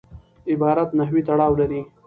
عبارت نحوي تړاو لري.